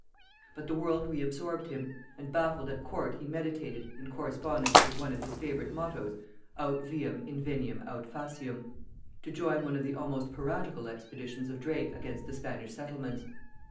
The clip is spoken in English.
But the world re absorbed him; and baffled at court he meditated, in correspondence with one of his favorite mottoes, "Aut viam inveniam aut faciam," to join one of the almost piratical expeditions of Drake against the Spanish settlements.